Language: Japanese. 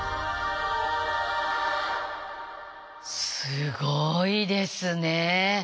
すごいですね。